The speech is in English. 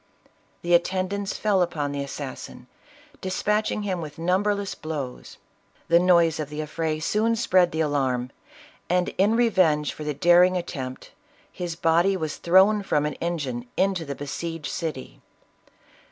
The atten dants fell upon the assassin, dispatching him with numberless blows. The noise of the affray soon spread the alarm, and, in revenge for the daring attempt, his body was thrown from an engine into the besieged city.